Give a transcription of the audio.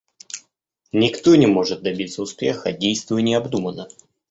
Никто не может добиться успеха, действуя необдуманно.